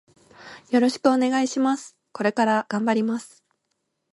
よろしくお願いします。これから頑張ります。